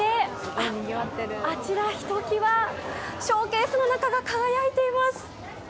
あちらひときわショーケースの中が輝いています。